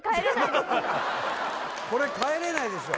これ帰れないでしょ